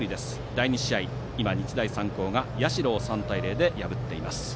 第２試合は今、日大三高が社を３対０で破っています。